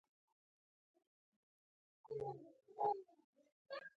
هغه بالاخره له مدرسې څخه وایستل شو.